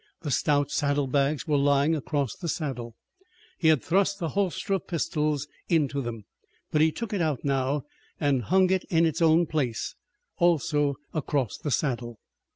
The stout saddle bags were lying across the saddle. He had thrust the holster of pistols into them, but he took it out now, and hung it in its own place, also across the saddle.